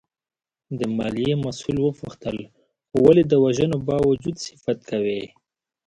د مالیې مسوول وپوښتل ولې د وژنو باوجود صفت کوې؟